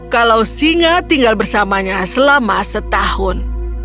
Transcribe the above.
kalau singa tinggal bersamanya selama setahun